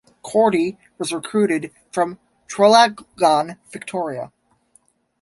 Cordy was recruited from Traralgon, Victoria.